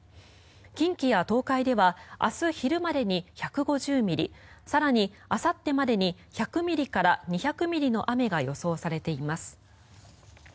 近畿や東海では明日昼までに１５０ミリ更にあさってまでに１００ミリから２００ミリの雨が予想されています。